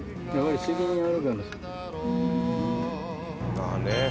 まあね